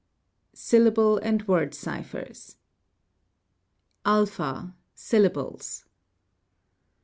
Syllable and word ciphers. (a) Syllables.